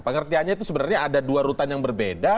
pengertiannya itu sebenarnya ada dua rutan yang berbeda